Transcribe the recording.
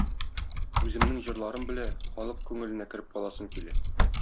Үземнең җырларым белә халык күңеленә кереп каласым килә.